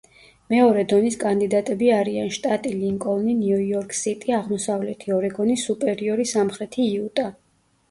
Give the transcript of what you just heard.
მეორე დონის კანდიდატები არიან: შტატი ლინკოლნი, ნიუ იორკ სიტი, აღმოსავლეთი ორეგონი, სუპერიორი, სამხრეთი იუტა.